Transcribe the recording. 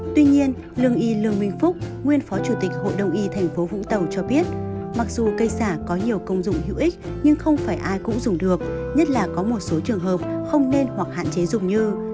tuy nhiên lương y lương minh phúc nguyên phó chủ tịch hội đồng y thành phố vũng tàu cho biết mặc dù cây xả có nhiều công dụng hữu ích nhưng không phải ai cũng dùng được nhất là có một số trường hợp không nên hoặc hạn chế dùng như